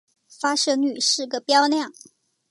发射率是个标量。